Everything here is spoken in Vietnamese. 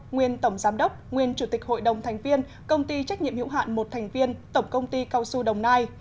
nguyên tổng giám đốc nguyên chủ tịch hội đồng thành viên tổng công ty cao su đồng nai